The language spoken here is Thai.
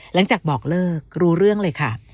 หลังจากบอกเลิกรู้เรื่องเลยค่ะ